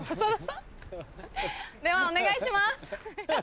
判定お願いします。